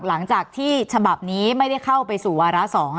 หลังจากที่ฉบับนี้ไม่ได้เข้าไปสู่วาระ๒